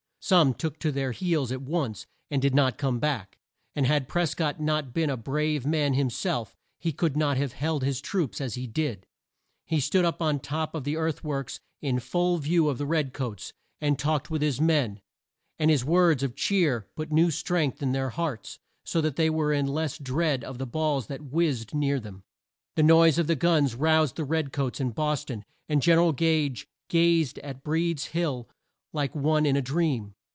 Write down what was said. Some took to their heels at once, and did not come back, and had Pres cott not been a brave man him self he could not have held his troops as he did. He stood up on top of the earth works in full view of the red coats, and talked with his men, and his words of cheer put new strength in their hearts, so that they were in less dread of the balls that whizzed near them. The noise of the guns roused the red coats in Bos ton, and Gen er al Gage gazed at Breed's Hill like one in a dream.